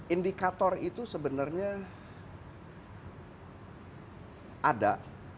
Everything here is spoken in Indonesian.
indikator itu sebenarnya ada